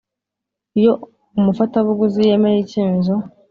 Iyo umufatabuguzi yemeye icyemezo